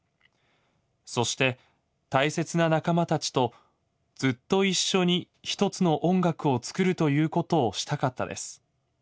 そして大切な仲間たちとずっと一緒に１つの音楽をつくるということをしたかったです。